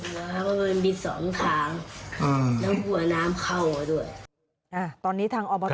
ว่ามันมีสองทางอืมแล้วกลัวน้ำเข้ามาด้วยอ่ะตอนนี้ทางอ๋อ